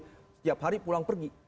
setiap hari pulang pergi